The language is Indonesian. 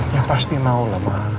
ya pasti mau lah ma